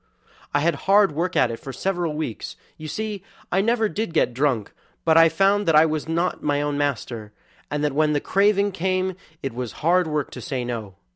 "I had hard work at it for several weeks; you see I never did get drunk, but I found that I was not my own master, and that when the craving came on it was hard work to say 'no'.